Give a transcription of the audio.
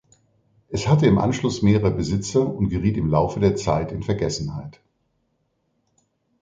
Es hatte im Anschluss mehrere Besitzer und geriet im Laufe der Zeit in Vergessenheit.